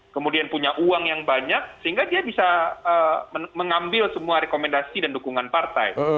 kemudian punya uang yang banyak sehingga dia bisa mengambil semua rekomendasi dan dukungan partai